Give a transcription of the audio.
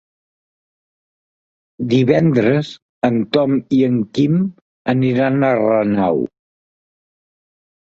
Divendres en Tom i en Quim aniran a Renau.